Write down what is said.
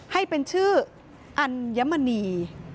ให้เป็นชื่ออัญมณี